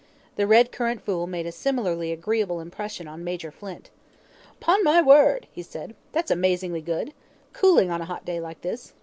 The red currant fool made a similarly agreeable impression on Major Flint. "'Pon my word," he said. "That's amazingly good. Cooling on a hot day like this.